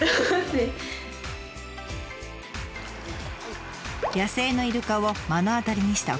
野生のイルカを目の当たりにしたお客さんは。